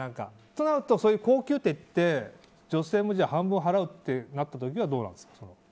となると高級店に行って女性もじゃあ半分払うってなった時にはどうなんですか。